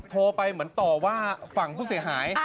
โทรไปเหมือนต่อว่าฝั่งผู้เสียหาย